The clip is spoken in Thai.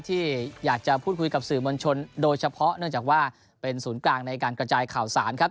ที่อยากจะพูดคุยกับสื่อมวลชนโดยเฉพาะเนื่องจากว่าเป็นศูนย์กลางในการกระจายข่าวสารครับ